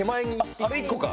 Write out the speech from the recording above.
あっあれ１個か。